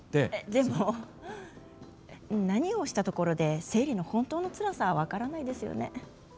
でも、何をしたところで生理の本当のつらさは分からないですよね。